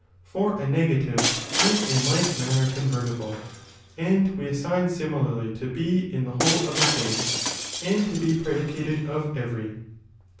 For a negative is in like manner convertible, and we assign eimilarly to be in tho whole of a thing, and to be (predicated) of every.